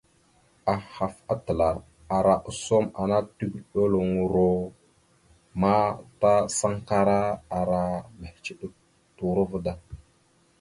Ahaf atəlar ara osom ana tigeɗoloŋoro ma ta sankara ara mehəciɗek turova da.